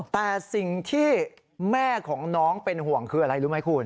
แต่สิ่งที่แม่ของน้องเป็นห่วงคืออะไรรู้ไหมคุณ